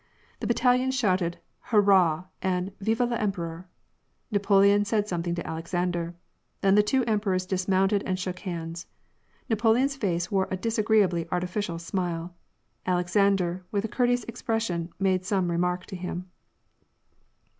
The battalions shouted ^^ Hurrah " and '^ Vive Vewr pereuT.^^ Napoleon said something to Alexander. Then the two emperors dismounted and shook hands. Napoleon's face wore a disagreeably artificial smile. Alexander, with a cour teous expression, made some remark to him.